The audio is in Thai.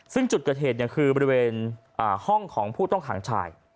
ซึ่งจุดเกิดเหตุคือบริเวณห้องของผู้ต้องขังชาย